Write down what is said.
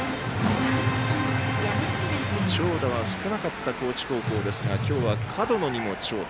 長打は少なかった高知高校ですが今日は門野にも長打。